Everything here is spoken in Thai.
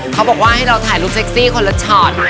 เขาบอกว่าให้เราถ่ายรูปเซ็กซี่คนละชอต